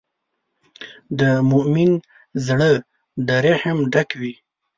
د مؤمن زړۀ د رحم ډک وي.